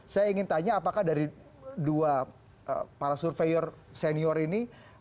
saya ingin tanya apakah dari dua para surveyor senior ini